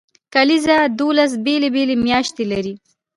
کلیزه دولس بیلې بیلې میاشتې لري.